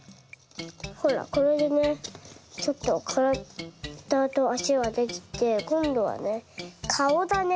ほらこれでねちょっとからだとあしができてこんどはねかおだね。